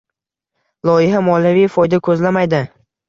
Loyiha moliyaviy foyda koʻzlamaydi.